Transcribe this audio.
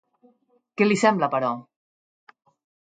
Què li sembla, però?